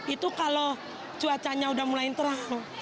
itu kalau cuacanya sudah mulai terang